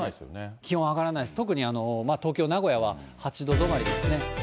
気温上がらないです、特に東京、名古屋は、８度止まりですね。